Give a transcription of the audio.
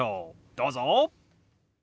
どうぞ！